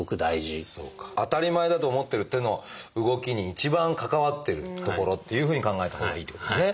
当たり前だと思ってる手の動きに一番関わってる所っていうふうに考えたほうがいいってことですね。